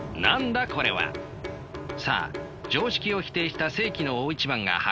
さあ常識を否定した世紀の大一番が始まるか。